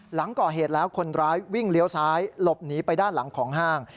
หลังก่อเหตุแล้วคนร้ายวิ่งเลี้ยวซ้ายหลบหนีไปด้านหลังของห้าง